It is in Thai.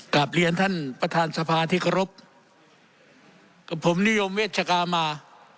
กลับเรียนท่านประธานสภาที่เคารพกับผมนิยมเวชกามา